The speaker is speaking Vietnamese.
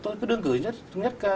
tôi cứ đương cử nhất